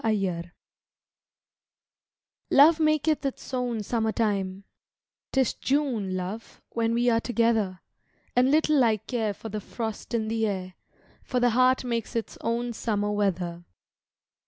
A SONG Love maketh its own summer time, 'Tis June, Love, when we are together, And little I care for the frost in the air, For the heart makes its own summer weather.